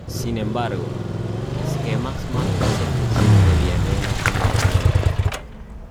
Sin embargo, esquemas más recientes revierten este movimiento.